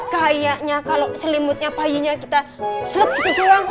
kayaknya kalau selimutnya payinya kita selet gitu curang